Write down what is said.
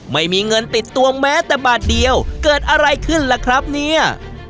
ไม่มีเงินติดตัวแม้แต่บาทเดียวเกิดอะไรขึ้นล่ะครับเนี่ย